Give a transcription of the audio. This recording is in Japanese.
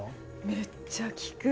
めっちゃ効く。